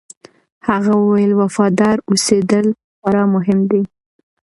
هغه وویل، وفادار اوسېدل خورا مهم دي.